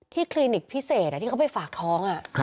คลินิกพิเศษที่เขาไปฝากท้อง